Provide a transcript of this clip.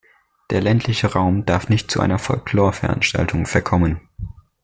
Der ländliche Raum darf nicht zu einer Folklore-Veranstaltung verkommen.